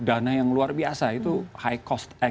dana yang luar biasa itu high cost